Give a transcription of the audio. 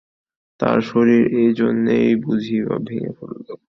তাঁর শরীর এইজন্যেই বুঝিবা ভেঙে পড়ল।